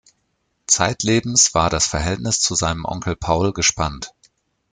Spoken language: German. Zeitlebens war das Verhältnis zu seinem Onkel Paul gespannt.